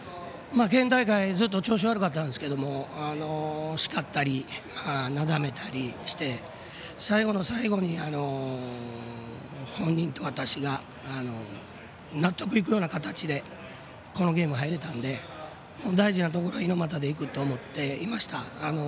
県大会ずっと調子が悪かったんですがしかったり、なだめたりして最後の最後に本人と私が納得いくような形でこのゲームに入れたので大事なところは猪俣で行くと思っていました。